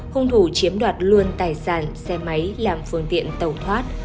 hung thủ chiếm đoạt luôn tài sản xe máy làm phương tiện tàu thoát